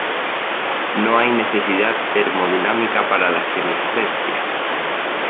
No hay necesidad termodinámica para la senescencia.